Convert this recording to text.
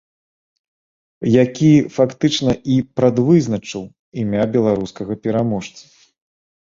Які, фактычна, і прадвызначыў імя беларускага пераможцы.